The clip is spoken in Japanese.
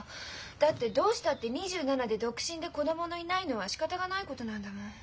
だってどうしたって２７で独身で子供のいないのはしかたがないことなんだもん。